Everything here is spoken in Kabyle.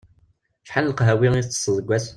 Acḥal n leqhawi i ttesseḍ deg wass?